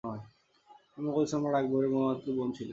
তিনি মোগল সম্রাট আকবরের বৈমাত্রেয় বোন ছিলেন।